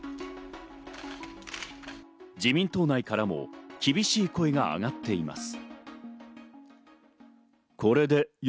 自民党内からも厳しい声が挙がっています。